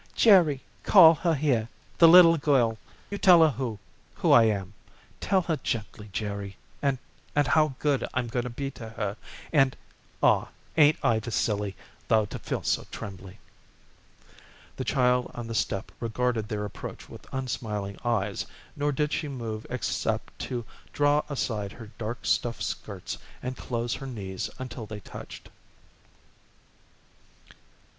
"Jerry, call her here, the little girl. You tell her who who I am. Tell her gently, Jerry, and and how good I'm going to be to her and Aw, ain't I the silly, though, to feel so trembly?" The child on the step regarded their approach with unsmiling eyes, nor did she move except to draw aside her dark stuff skirts and close her knees until they touched.